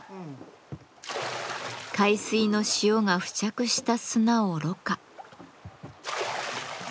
海水の塩が付着した砂をろ過。